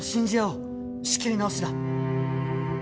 仕切り直しだ。